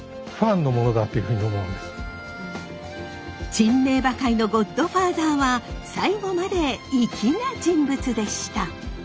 珍名馬界のゴッドファーザーは最後まで粋な人物でした。